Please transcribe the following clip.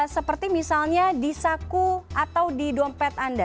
seperti misalnya di saku atau di dompet anda